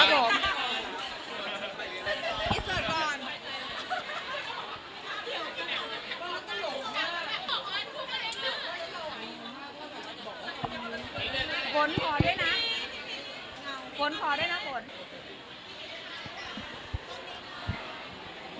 ฝนพอด้วยนะฝน